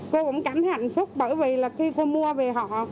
cô cũng cảm thấy hạnh phúc bởi vì là khi cô mua về họ